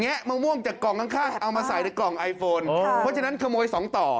เอามาใส่ในกล่องไอโฟนเพราะฉะนั้นขโมย๒ต่อ